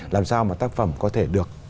làm sao mà tác phẩm có thể được